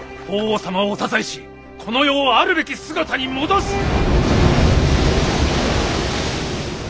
法皇様をお支えしこの世をあるべき姿に戻す！